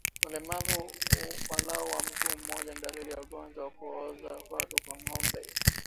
Ulemavu walau wa mguu mmoja ni dalili ya ugonjwa wa kuoza kwato kwa ngombe